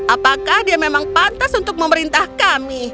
apakah dia memang pantas untuk memerintah kami